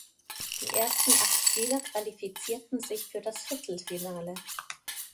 Die ersten acht Spieler qualifizierten sich für das Viertelfinale.